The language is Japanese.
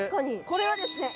これはですね